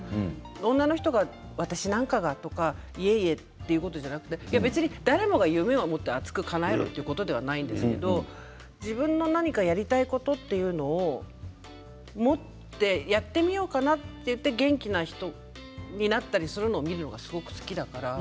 女の人が、私なんかがとかいえいえ、ということではなく誰もが夢を持って熱くかなえろということではないんですけれど自分の何かやりたいことというのを持ってやってみようかなと言って元気な人になったりするのを見るのがすごく好きだから。